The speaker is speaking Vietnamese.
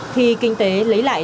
khi kinh tế lấy lại